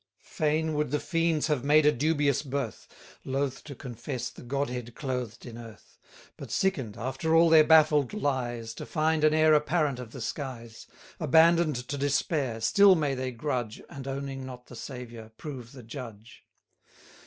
Fain would the fiends have made a dubious birth, Loath to confess the Godhead clothed in earth: But sicken'd, after all their baffled lies, To find an heir apparent of the skies: Abandon'd to despair, still may they grudge, And, owning not the Saviour, prove the judge.